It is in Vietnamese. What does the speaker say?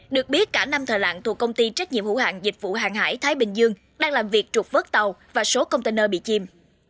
được biết cả năm thợ lặn thuộc công ty trách nhiệm hữu hạng dịch vụ hàng hải thái bình dương đang làm việc trục vớt tàu và số container bị chìm